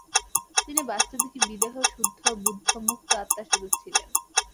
তিনি বাস্তবিকই বিদেহ শুদ্ধ-বুদ্ধ-মুক্ত-আত্মাস্বরূপ ছিলেন।